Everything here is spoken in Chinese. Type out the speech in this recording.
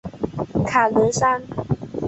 卡伦山。